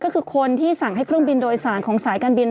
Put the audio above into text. ก็คือคนที่สั่งให้เครื่องบินโดยสารของสายการบิน